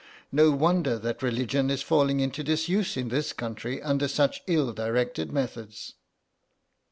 No wonder that religion is falling into disuse in this country under such ill directed methods."